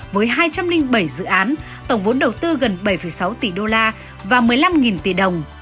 với hai trăm linh bảy dự án tổng vốn đầu tư gần bảy sáu tỷ đô la và một mươi năm tỷ đồng